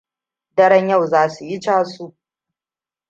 Daren yau za su yi casu.